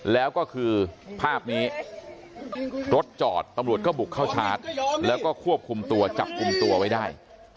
แล้วก็คือภาพนี้รถจอดตำรวจก็บุกเข้าชาร์จแล้วก็ควบคุมตัวจับกลุ่มตัวไว้ได้